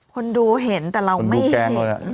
คนดูเห็นแต่เราไม่เห็น